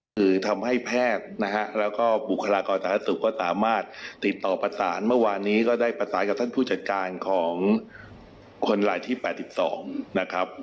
คือทำให้แพทย์นะฮะแล้วก็บุคลากรสาธารณสุขก็สามารถติดต่อประสานเมื่อวานนี้ก็ได้ประสานกับท่านผู้จัดการของคนรายที่๘๒นะครับ